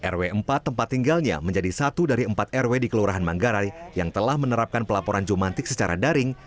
rw empat tempat tinggalnya menjadi satu dari empat rw di kelurahan manggarai yang telah menerapkan pelaporan jumantik secara daring